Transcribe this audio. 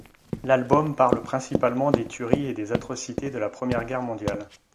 L'album parle principalement des tueries et des atrocités de la Première Guerre mondiale.